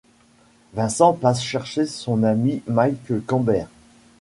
Vincent passe chercher son ami Mike Camber.